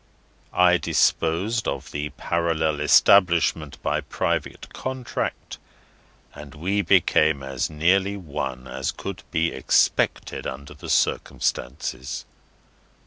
I disposed of the parallel establishment by private contract, and we became as nearly one as could be expected under the circumstances.